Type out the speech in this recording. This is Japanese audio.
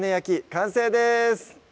完成です